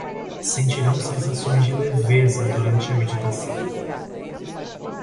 Sentirão sensações de leveza durante a meditação